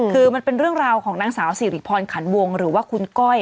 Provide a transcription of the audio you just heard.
คือมันเป็นเรื่องราวของนางสาวสิริพรขันวงหรือว่าคุณก้อย